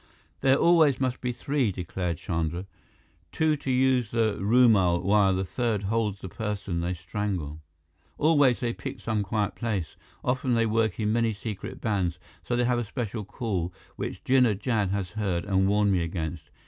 "There always must be three," declared Chandra. "Two to use the rumal while the third holds the person they strangle. Always, they pick some quiet place. Often they work in many secret bands, so they have a special call, which Jinnah Jad has heard and warned me against.